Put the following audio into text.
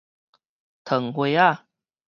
糖花仔